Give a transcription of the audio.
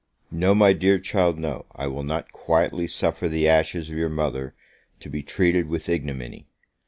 No, my dear child, no; I will not quietly suffer the ashes of your mother to be treated with ignominy!